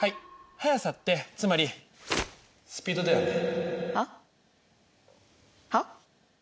速さってつまりスピードだよね！